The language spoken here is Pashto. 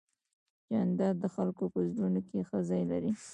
جانداد د خلکو په زړونو کې ښه ځای لري.